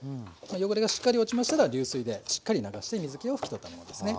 汚れがしっかり落ちましたら流水でしっかり流して水けを拭き取ったものですね。